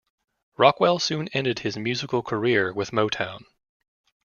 Rockwell soon ended his musical career with Motown.